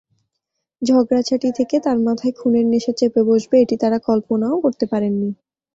ঝগড়াঝাঁটি থেকে তাঁর মাথায় খুনের নেশা চেপে বসবে—এটি তাঁরা কল্পনাও করতে পারেননি।